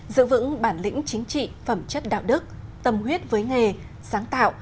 giữ vững bản lĩnh chính trị phẩm chất đạo đức tâm huyết với nghề sáng tạo